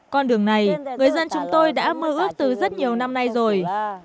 con đường này người dân chúng tôi đã mơ ước từ rất nhiều năm nay rồi